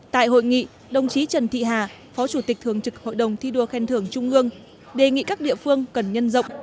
tại hội nghị đồng chí trần thị hà phó chủ tịch thường trực hội đồng thi đua khen thưởng trung ương đề nghị các địa phương cần nhân rộng